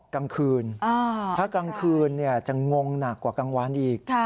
กลางคืนถ้ากลางคืนจะงงหนักกว่ากลางวันอีก